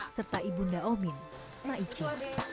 serta ibunda omin ma'ici